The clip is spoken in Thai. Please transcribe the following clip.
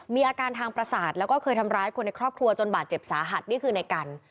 มีอาการทางประสาทแล้วก็เคยทำร้ายคนในครอบครัวจนบาดเจ็บสาหัสนี่คือในกัน